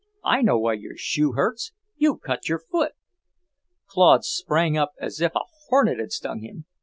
"I know why your shoe hurts, you've cut your foot!" Claude sprang up as if a hornet had stung him.